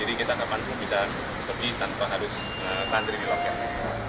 jadi kita dapat bisa pergi tanpa harus tantri di loket